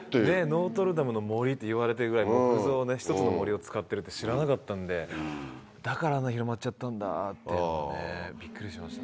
ノートルダムの森っていわれてるぐらい木造で１つの森を使ってるって知らなかったんでだからあんな広まっちゃったんだってビックリしました。